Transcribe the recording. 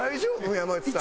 山内さん。